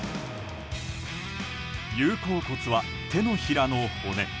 有鉤骨は手のひらの骨。